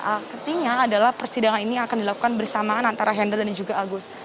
artinya adalah persidangan ini akan dilakukan bersamaan antara hendra dan juga agus